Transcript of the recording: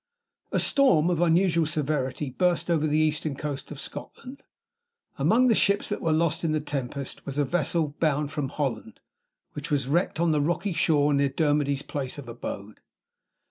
A storm of unusual severity burst over the eastern coast of Scotland. Among the ships that were lost in the tempest was a vessel bound from Holland, which was wrecked on the rocky shore near Dermody's place of abode.